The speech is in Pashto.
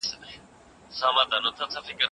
د نفوذ خاوندان اوس هم احتکار کوي.